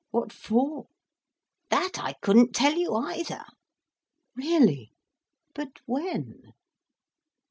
What for?" "That I couldn't tell you, either." "Really! But when?"